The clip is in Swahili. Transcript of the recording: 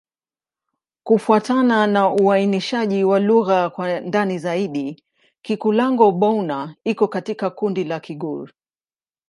Kufuatana na uainishaji wa lugha kwa ndani zaidi, Kikulango-Bouna iko katika kundi la Kigur.